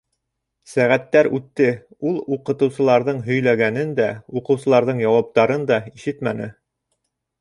Сәғәттәр үтте, ул уҡытыусыларҙың һөйләгәнен дә, уҡыусыларҙың яуаптарын да ишетмәне.